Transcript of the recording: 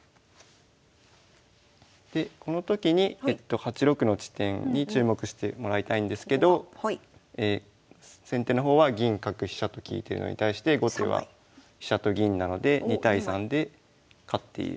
でこの時に８六の地点に注目してもらいたいんですけど先手の方は銀角飛車と利いてるのに対して後手は飛車と銀なので２対３で勝っていますね。